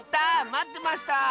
まってました！